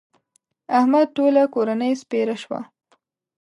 د احمد ټوله کورنۍ سپېره شوه.